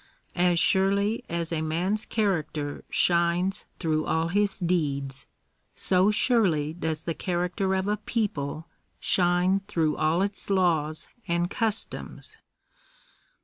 As surely as a man's character shines through all his deeds, so surely does the character of a people shine through all its laws and customs.